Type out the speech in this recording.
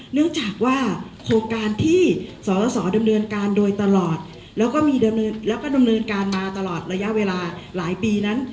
เนื่องจากว่าโครงการที่สสดำเนินการโดยตลอดแล้วก็มีแล้วก็ดำเนินการมาตลอดระยะเวลาหลายปีนั้น